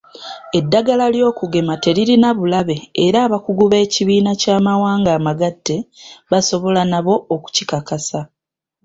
Eddagala ly'okugema teririna bulabe era abakugu b'ekibiina ky'amawanga amagatte basobola nabo okukikakasa.